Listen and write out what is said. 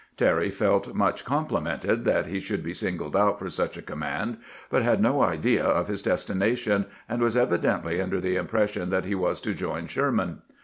Terry felt much complimented that he should be singled out for such a command, but had no idea of his destination, and was evidently under the impression that he was to join Sherman.